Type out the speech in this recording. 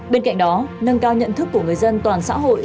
bên cạnh đó nâng cao nhận thức của người dân toàn xã hội